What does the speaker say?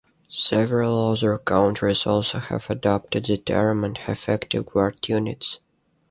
Several other countries also have adopted the term and have active guard units.